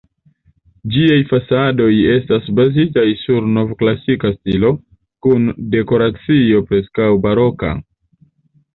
Ĝiaj fasadoj estas bazitaj sur nov-klasika stilo, kun dekoracio preskaŭ-baroka.